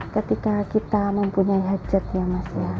ketika kita mempunyai hajat ya mas ya